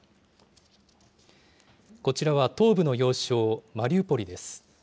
こちらは東部の要衝マリウポリです。